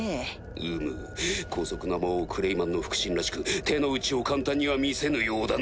うむ姑息な魔王クレイマンの腹心らしく手の内を簡単には見せぬようだな。